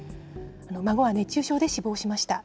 孫は熱中症で死亡しました。